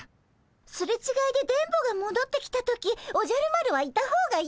すれちがいで電ボがもどってきた時おじゃる丸はいた方がいいからね。